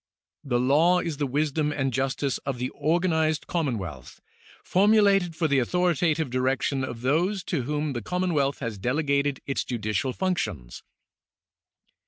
The law is the wisdom and justice of the organized commonwealth, formulated for the authoritative direction of those to whom the commonwealth has delegated its judicial functions.